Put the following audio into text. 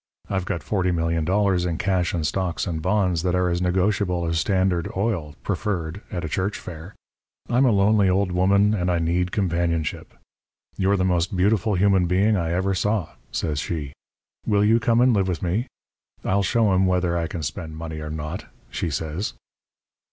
I've got forty million dollars in cash and stocks and bonds that are as negotiable as Standard Oil, preferred, at a church fair. I'm a lonely old woman and I need companionship. You're the most beautiful human being I ever saw,' says she. 'Will you come and live with me? I'll show 'em whether I can spend money or not,' she says.